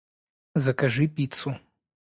Закажи пиццу